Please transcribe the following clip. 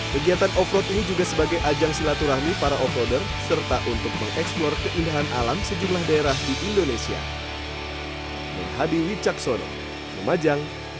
kegiatan off road ini juga sebagai ajang silaturahmi para off roader serta untuk mengeksplor keindahan alam sejumlah daerah di indonesia